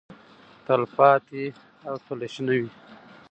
تلپاتې او تلشنه وي.